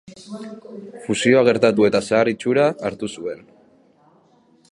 Fusioa gertatu eta zahar itxura hartu zuen.